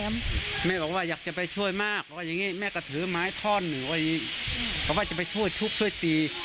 แม่บอกว่าอยากจะไปช่วยมากแม่ก็ถือไม้ท่อนไว้จะไปช่วยทุกรศูนย์สิ